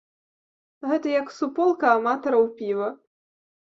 Гэта як суполка аматараў піва.